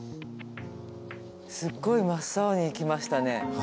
すっごい真っ青にいきましたね。